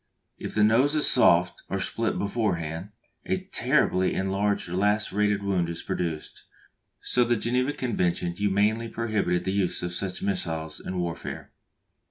If the nose is soft, or split beforehand, a terribly enlarged and lacerated wound is produced; so the Geneva Convention humanely prohibited the use of such missiles in warfare.